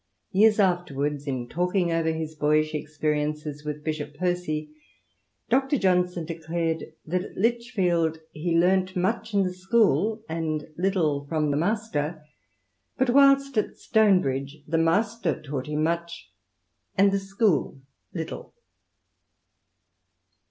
Years afterwards, in talking over his boyish experiences with Bishop Percy, Dr. Johnson declared that at Lichfield he learnt much in the school, and little from the master ; but whilst at Stonebridge, the master taught him much and the school little.